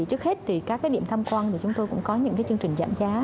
trước hết các điểm thăm quan chúng tôi cũng có những chương trình giảm giá